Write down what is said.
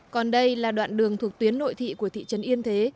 còn đây là đoạn đường thuộc tuyến nội thị của thị trấn yên thế